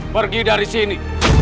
pergi dari sini